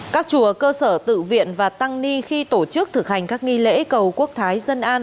các chùa cơ sở tự viện và tăng ni khi tổ chức thực hành các nghi lễ cầu quốc thái dân an